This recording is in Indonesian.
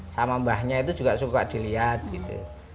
sama mbahnya itu juga suka dilihat gitu